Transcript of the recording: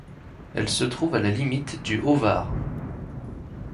Elle se trouve à la limite du Haut-Var.